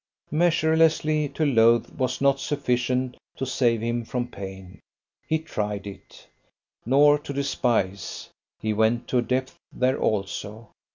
Measurelessly to loathe was not sufficient to save him from pain: he tried it: nor to despise; he went to a depth there also.